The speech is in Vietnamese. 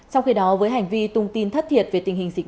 trong khi đó với hành vi tung tin thất thiệt về tình hình dịch